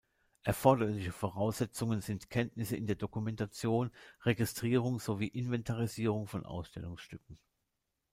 Erforderliche Voraussetzungen sind Kenntnisse in der Dokumentation, Registrierung sowie Inventarisierung von Ausstellungsstücken.